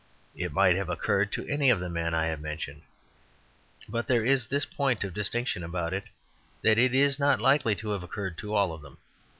It might have occurred to any of the men I have mentioned. But there is this point of distinction about it, that it is not likely to have occurred to all of them.